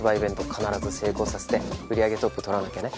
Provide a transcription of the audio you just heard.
必ず成功させて売り上げトップとらなきゃね。